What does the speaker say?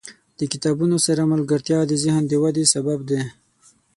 • د کتابونو سره ملګرتیا، د ذهن ودې سبب دی.